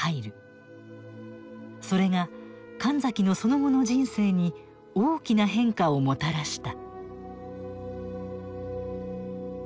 それが神崎のその後の人生に大きな変化をもたらした。